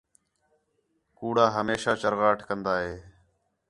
کُوڑا ہمیشاں چَرغاٹ کندا ہے